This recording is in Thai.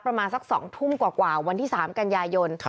ประมาณสัก๒ทุ่มกว่าวันที่๓กันยายน